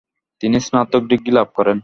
তিনি স্নাতক ডিগ্রি লাভ করেন।